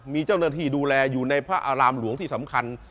มีเจ้าหน้าที่ดูแลอยู่ในพระอารามหลวงที่สำคัญ